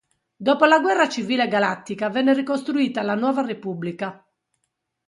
Dopo la Guerra Civile Galattica venne ricostruita la Nuova Repubblica.